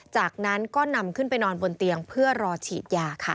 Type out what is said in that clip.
จากนั้นก็นำขึ้นไปนอนบนเตียงเพื่อรอฉีดยาค่ะ